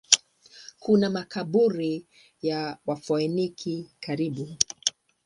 Kuna makaburi ya Wafoeniki karibu.